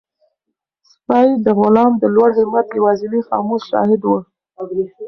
سپی د غلام د لوړ همت یوازینی خاموش شاهد و.